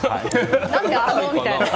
何で、あのみたいな。